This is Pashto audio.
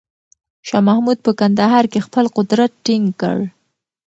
شاه محمود په کندهار کې خپل قدرت ټینګ کړ.